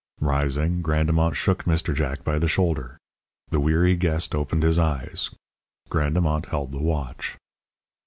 Rising, Grandemont shook Mr. Jack by the shoulder. The weary guest opened his eyes. Grandemont held the watch.